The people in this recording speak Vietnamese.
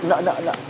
nợ nợ nợ